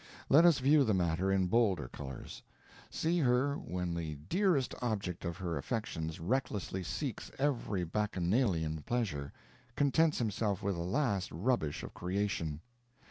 Let us view the matter in bolder colors; see her when the dearest object of her affections recklessly seeks every bacchanalian pleasure, contents himself with the last rubbish of creation.